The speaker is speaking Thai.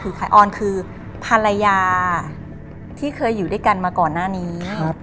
คือออนคือภรรยาที่เคยอยู่ด้วยกันมาก่อนหน้านี้